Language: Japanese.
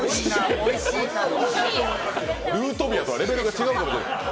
ルートビアとはレベルが違うかもしれない。